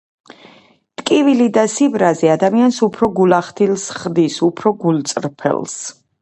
ტკივილი და სიბრაზე ადამიანს უფრო გულახდილს ხდის, უფრო გულწრფელს